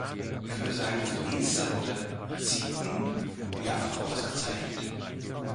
Für seine Verdienste wurde Zieten mehrfach ausgezeichnet.